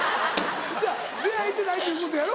出会えてないということやろ？